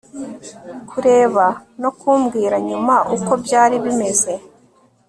Kureba no kumbwira nyuma uko byari bimeze